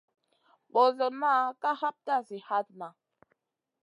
Ɓosionna ka hapta zi hatna.